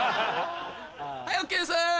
はいＯＫです。